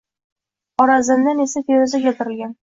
Xorazmdan esa feruza keltirilgan.